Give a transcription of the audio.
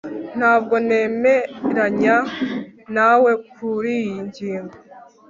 ntabwo nemeranya nawe kuriyi ngingo